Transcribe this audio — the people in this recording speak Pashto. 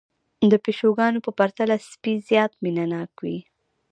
د پيشوګانو په پرتله سپي زيات مينه ناک وي